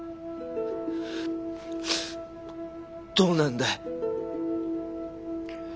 どうなんだ？